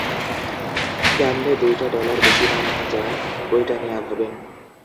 ক্যামনে দুইটা ডলার বেশি বানানো যায়, ওইটা নিয়া ভাবেন।